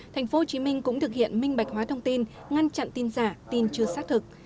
tp hcm cũng thực hiện minh bạch hóa thông tin ngăn chặn tin giả tin chưa xác thực